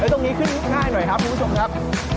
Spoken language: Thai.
แล้วตรงนี้ขึ้นหน้าให้หน่อยครับทุกคุณผู้ชมครับ